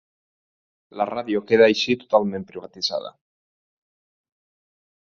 La ràdio queda així totalment privatitzada.